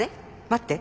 待って。